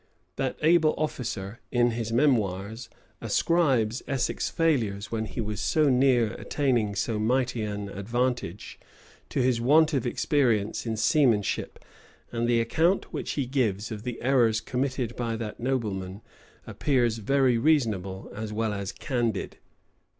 That able officer, in his Memoirs, ascribes Essex's failure, when he was so near attaining so mighty an advantage, to his want of experience in seamanship; and the account which he gives of the errors committed by that nobleman, appears very reasonable as well as candid.